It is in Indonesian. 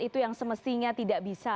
itu yang semestinya tidak bisa